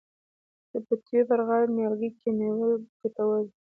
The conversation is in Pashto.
د پټیو پر غاړه نیالګي کینول ګټور دي.